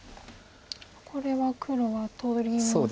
これは黒は取りますか。